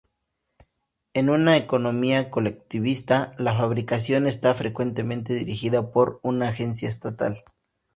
En una economía colectivista, la fabricación está frecuentemente dirigida por una agencia estatal.